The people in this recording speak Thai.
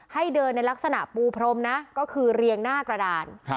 ให้เดินในลักษณะปูพรมนะก็คือเรียงหน้ากระดาน